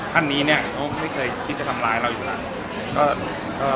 ท่านนี้เนี่ยเขาไม่เคยคิดจะทำร้ายเราอยู่แล้ว